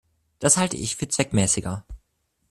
Das halte ich für zweckmäßiger.